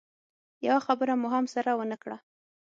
يوه خبره مو هم سره ونه کړه.